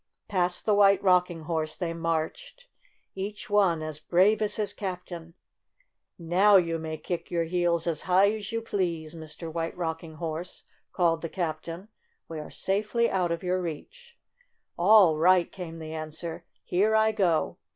Past the White Rocking Horse they marched, each one as brave as his captain. FUN IN TOY TOWN 9 "Now you may kick your heels as high as you please, Mr. White Rocking Horse/ ' called the captain. "We are safely out of your reach.' ' "All right!" came the answer. "Here I go